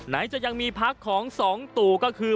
จะยังมีพักของสองตู่ก็คือ